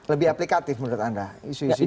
lebih aplikatif menurut anda isu isu ini